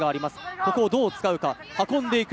ここをどう使うか、運んでいく。